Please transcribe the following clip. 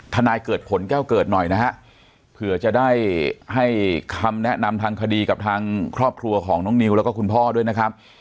นายเกิดผลแก้วเกิดหน่อยนะฮะเผื่อจะได้ให้คำแนะนำทางคดีกับทางครอบครัวของน้องนิวแล้วก็คุณพ่อด้วยนะครับ